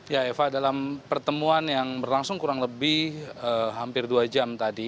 ya eva dalam pertemuan yang berlangsung kurang lebih hampir dua jam tadi